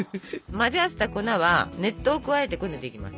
混ぜ合わせた粉は熱湯を加えてこねていきます。